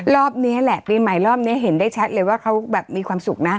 รอบนี้แหละปีใหม่รอบนี้เห็นได้ชัดเลยว่าเขาแบบมีความสุขนะ